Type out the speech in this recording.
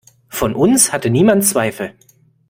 Von uns hatte niemand Zweifel.